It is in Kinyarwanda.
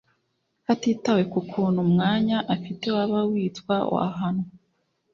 Hatitawe ku kuntu umwanya afite waba witwa wahanwa